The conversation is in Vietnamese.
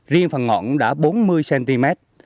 riêng phần ngọn cũng đã bốn mươi cm